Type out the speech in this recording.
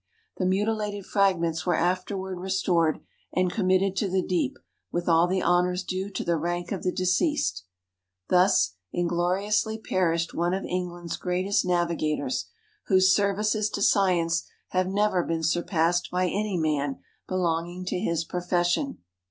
The mutilated fragments were after ward restored, and committed to the deep, with all the honors due to the rank of the deceased. Thus inglori ously perished one of England's greatest navigators, "whose services to science have never been surpassed by any man belonging to his profession."